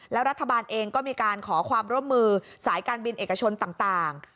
แล้วรัฐบาลเองก็มีการขอความร่วมมือสายการบินเอกชนต่าง